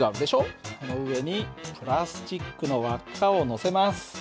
この上にプラスチックの輪っかをのせます。